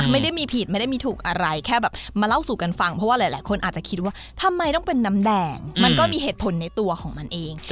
ไม่ได้มีผิดไม่ได้มีถูกอะไรแค่แบบมาเล่าสู่กันฟังเพราะว่าหลายคนอาจจะคิดว่าทำไมต้องเป็นน้ำแดงมันก็มีเหตุผลในตัวของมันเอง